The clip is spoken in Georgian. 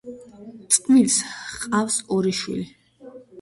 წყვილს ჰყავთ ორი შვილი.